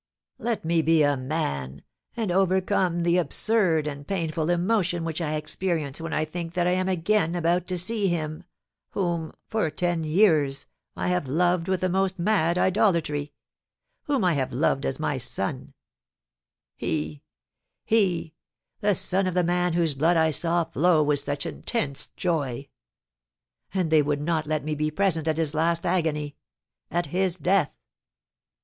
Let me be a man, and overcome the absurd and painful emotion which I experience when I think that I am again about to see him whom, for ten years, I have loved with the most mad idolatry, whom I have loved as my son; he he the son of the man whose blood I saw flow with such intense joy! And they would not let me be present at his last agony, at his death!